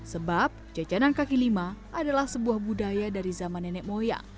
sebab jajanan kaki lima adalah sebuah budaya dari zaman nenek moyang